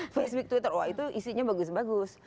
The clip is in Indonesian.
facebook twitter wah itu isinya bagus bagus